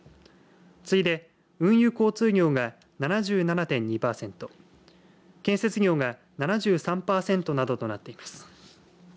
次いで、運輸交通業が７７．２パーセント建設業が７３パーセントなどとなっています。